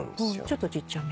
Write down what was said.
ちょっとちっちゃめ。